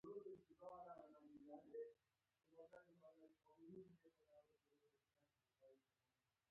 دا د بشري تاریخ په اړه لویه تشه ده.